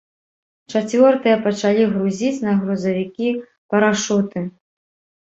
Чацвёртыя пачалі грузіць на грузавікі парашуты.